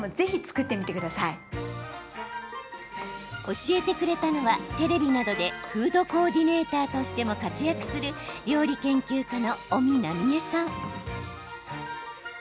教えてくれたのはテレビなどでフードコーディネーターとしても活躍する料理研究家の尾身奈美枝さん。